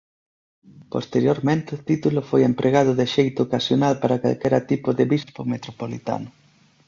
Posteriormente o título foi empregado de xeito ocasional para calquera tipo de bispo metropolitano.